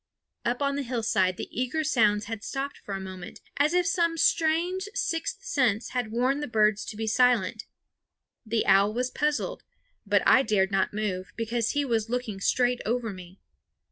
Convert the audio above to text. Up on the hillside the eager sounds had stopped for a moment, as if some strange sixth sense had warned the birds to be silent. The owl was puzzled; but I dared not move, because he was looking straight over me.